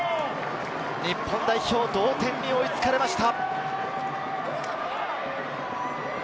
日本代表、同点に追いつかれました。